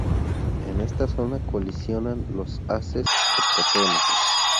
En esta zona colisionan los haces de protones.